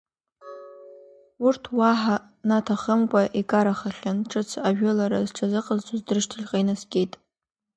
Урҭ уаҳа наҭахымкәа икарахахьан, ҿыц ажәылара зҽазыҟазҵоз рышьҭахьҟа инаскьеит.